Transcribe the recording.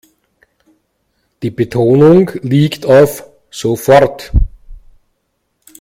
Die Betonung liegt auf sofort.